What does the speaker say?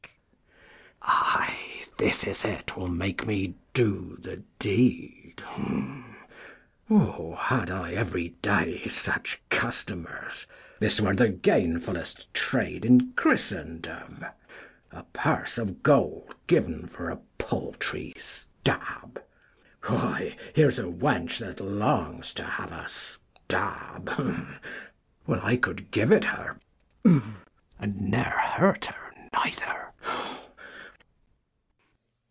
Mess. Ay, this is it will make me do the deed : Oh, had I every day such customers, 65 This were the gainfull'st trade in Christendom ! A purse of gold giv'n for a paltry stab. Why, here's a wench that longs to have a stab. Well, I could give it her, and ne'er hurt her neither.